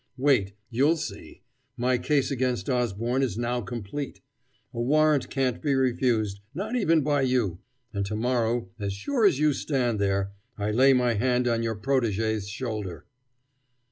Wait, you'll see: my case against Osborne is now complete. A warrant can't be refused, not even by you, and to morrow, as sure as you stand there, I lay my hand on your protégé's shoulder."